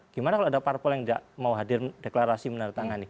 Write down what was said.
gimana kalau ada parpol yang tidak mau hadir deklarasi menandatangani